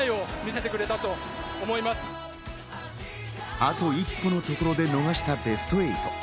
あと一歩のところで逃したベスト８。